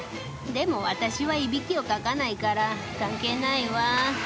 でも私はいびきをかかないから関係ないわ。